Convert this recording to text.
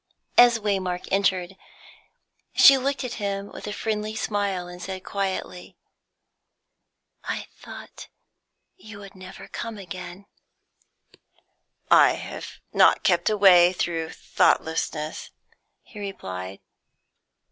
As Waymark entered, she looked at him with friendly smile, and said quietly "I thought you would never come again" "I have not kept away through thoughtlessness," he replied.